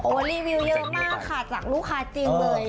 วันนี้รีวิวเยอะมากค่ะจากลูกค้าจริงเลย